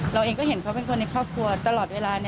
เราเองก็เห็นเขาเป็นคนในครอบครัวตลอดเวลา